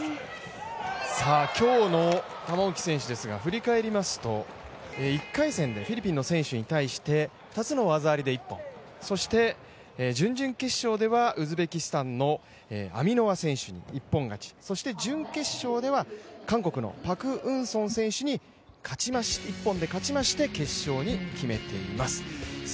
今日の玉置選手ですが振り返りますと１回戦でフィリピンの選手に対して２つの技ありで一本、そして準々決勝ではウズベキスタンのアミノワ選手に一本勝ち、そして準決勝では韓国のパク・ウンソン選手に一本で勝ちまして決勝を決めています。